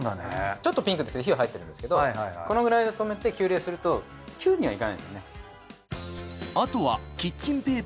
ちょっとピンクですけど火は入ってるんですけどこのくらいで止めて急冷するとキュッにはいかないですね。